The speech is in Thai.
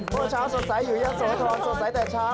เมื่อเช้าสดใสอยู่ยะโสธรสดใสแต่เช้า